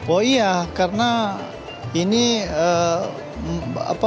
oh iya karena ini malam yang bernilai seribu bulan